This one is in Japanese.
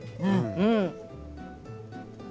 うん！